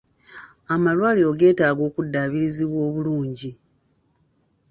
Amalwaliro geetaaga okuddaabirizibwa obulungi.